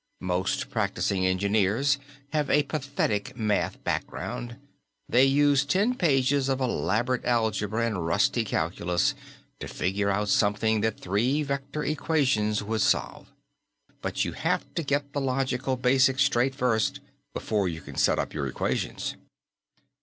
Most practicing engineers have a pathetic math background they use ten pages of elaborate algebra and rusty calculus to figure out something that three vector equations would solve. But you have to get the logical basics straight first, before you can set up your equations.